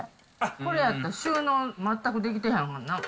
これやったら収納全くできてないやんな。